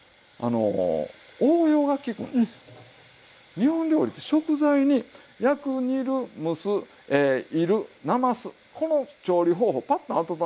日本料理って食材に焼く煮る蒸す煎るなますこの調理方法パッと温めただけ。